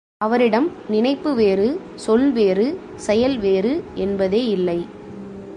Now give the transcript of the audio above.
அவரிடம் நினைப்பு வேறு, சொல் வேறு, செயல் வேறு என்பதே இல்லை.